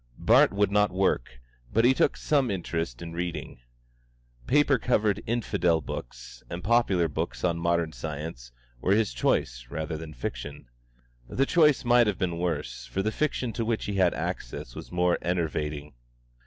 Bart would not work, but he took some interest in reading. Paper covered infidel books, and popular books on modern science, were his choice rather than fiction. The choice might have been worse, for the fiction to which he had access was more enervating.